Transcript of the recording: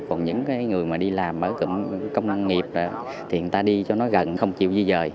còn những người mà đi làm ở cộng năng nghiệp thì người ta đi cho nó gần không chịu di rời